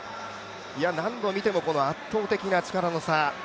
何度見ても圧倒的な力の差。